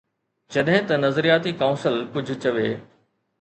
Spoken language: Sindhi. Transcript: جڏهن ته نظرياتي ڪائونسل ڪجهه چوي.